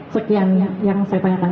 sekian yang saya tanyakan